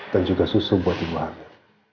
dan juga susu buat dibahamin